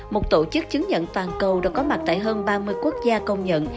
một tổ chức chứng nhận toàn cầu đã có mặt tại hơn ba mươi quốc gia công nhận